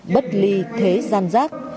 bất ly thế gian giác